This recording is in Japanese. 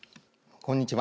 こんにちは。